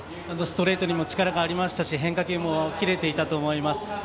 ストレートにも力がありましたし変化球も切れていたと思います。